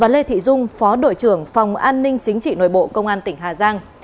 lê thị dung phó đội trưởng phòng an ninh chính trị nội bộ công an tỉnh hà giang